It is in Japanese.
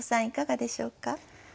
いかがでしょうか？